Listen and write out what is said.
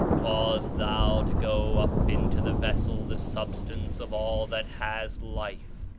Cause thou to go up into the vessel the substance of all that has life.